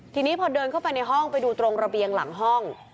ทีนี้พอเดินเข้าไปในห้องไปดูตรงระเบียงหลังห้อง